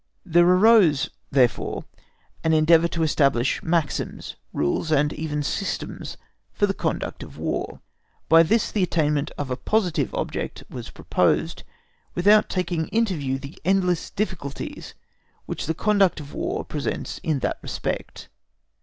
There arose, therefore, an endeavour to establish maxims, rules, and even systems for the conduct of War. By this the attainment of a positive object was proposed, without taking into view the endless difficulties which the conduct of War presents in that respect.